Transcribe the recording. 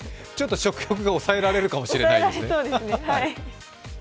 ちょっと食欲が抑えられるかもしれないね。